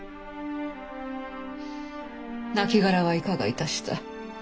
亡骸はいかがいたした？